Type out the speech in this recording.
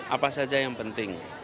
apa saja yang penting